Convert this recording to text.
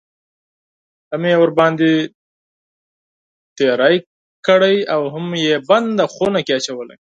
هم یې ورباندې تېری کړی اوهم یې بند خونه کې اچولی.